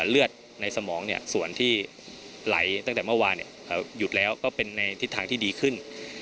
เลือดในสมองส่วนที่ไหลตั้งแต่เมื่อวานหยุดแล้วก็เป็นในทิศทางที่ดีขึ้น